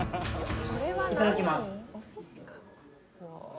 いただきます。